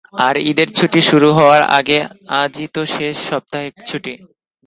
আর ঈদের ছুটি শুরু হওয়ার আগে আজই তো শেষ সাপ্তাহিক ছুটি।